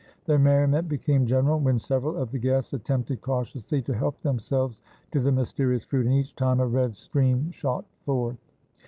The merriment became general, when several of the guests attempted cautiously to help themselves to the mysterious fruit, and each time a red stream shot forth.